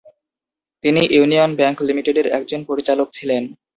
তিনি union bank লিমিটেডের একজন পরিচালক ছিলেন।